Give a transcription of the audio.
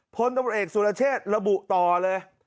พลตำรวจเอกสุรเชษระบุต่อเลย